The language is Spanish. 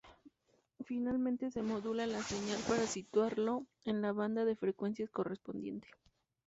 Finalmente se modula la señal para situarlo en la banda de frecuencias correspondiente.